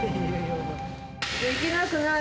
できなくない！